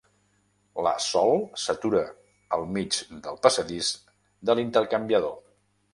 La Sol s'atura al mig del passadís de l'intercanviador.